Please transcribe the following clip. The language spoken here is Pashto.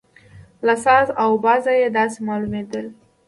له ساز او بازه یې داسې معلومېدل.